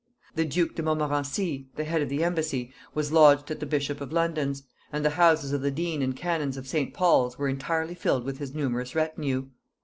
The duke de Montmorenci, the head of the embassy, was lodged at the bishop of London's, and the houses of the dean and canons of St. Paul's were entirely filled with his numerous retinue.